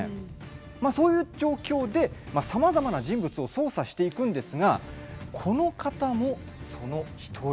そういう状況でさまざまな人物を捜査していくんですがこの方もその１人。